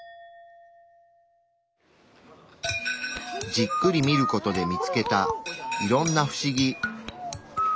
じっくり見る事で見つけたいろんな不思議。